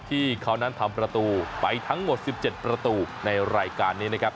ที่เขานั้นทำประตูไปทั้งหมด๑๗ประตูในรายการนี้นะครับ